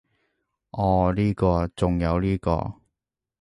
噢呢個，仲有呢個